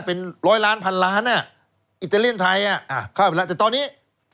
เป็นร้อยล้านพันล้านอิตาเลียนไทยเข้าไปแล้วแต่ตอนนี้